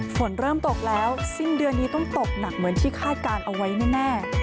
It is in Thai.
ฝนเริ่มตกแล้วสิ้นเดือนนี้ต้องตกหนักเหมือนที่คาดการณ์เอาไว้แน่